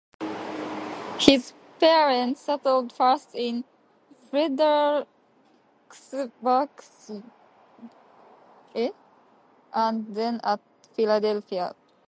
His parents settled first in Fredericksburg, Virginia, and then at Philadelphia.